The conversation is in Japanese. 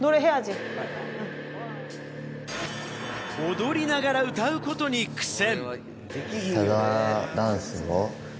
踊りながら歌うことに苦戦。